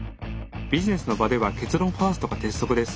ビジネスの場では結論ファーストが鉄則です。